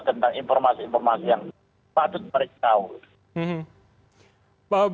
tentang informasi informasi yang patut mereka tahu